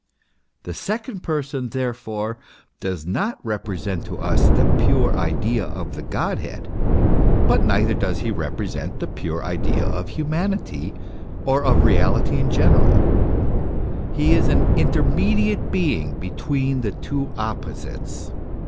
The second Person, therefore, does not represent to us the pure idea of the God head, but neither does he represent the pure idea of humanity, or of reality in general : he is an intermediate Being between the two opposites.